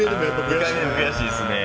２回目でも悔しいですよね。